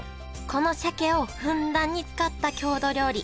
この鮭をふんだんに使った郷土料理